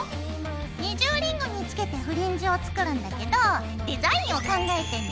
二重リングにつけてフリンジを作るんだけどデザインを考えてね。